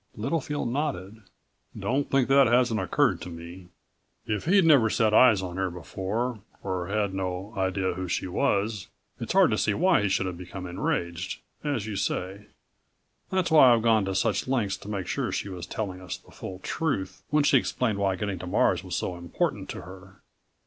Littlefield nodded. "Don't think that hasn't occurred to me. If he'd never set eyes on her before, or had no idea who she was ... it's hard to see why he should have become enraged, as you say. That's why I've gone to such lengths to make sure she was telling us the full truth when she explained why getting to Mars was so important to her."